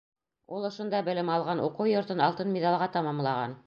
Ул ошонда белем алған, уҡыу йортон алтын миҙалға тамамлаған.